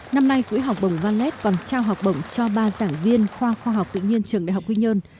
năm nay quỹ học bổng valet còn trao học bổng cho ba giảng viên khoa khoa học tự nhiên trường đại học quy nhơn